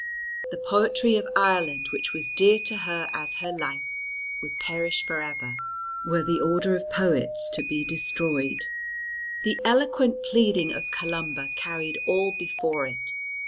The poetry of Ireland, which was dear to her as her life, would perish for ever, were the order of poets to be destroyed. The eloquent pleading of Columba carried all before it.